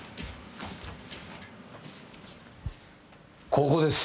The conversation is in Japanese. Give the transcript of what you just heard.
ここです